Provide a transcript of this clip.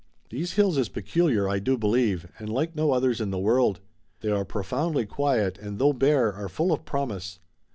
These hills is peculiar, I do believe, and like no others in the world. They are profoundly quiet and though bare, are full of promise.